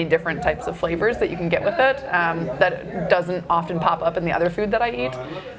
yang tidak sering terlihat di makanan lain yang saya makan